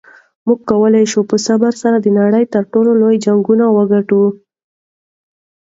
موږ کولی شو په صبر سره د نړۍ تر ټولو لوی جنګونه وګټو.